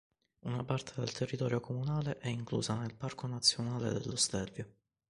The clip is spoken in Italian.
Una parte del territorio comunale è inclusa nel Parco Nazionale dello Stelvio.